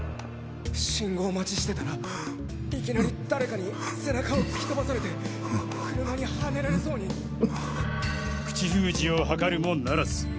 信号待ちしていきなり誰かに背中を突き飛ばされて車にはねられそうに口封じを図るもならず。